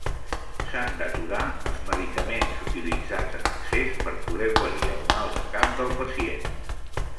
S'han d'aturar els medicaments utilitzats en excés per poder guarir el mal de cap del pacient.